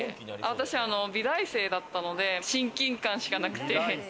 私、美大生だったので親近感しかなくて。